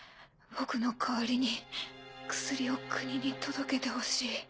僕の代わりに薬を国に届けてほしい。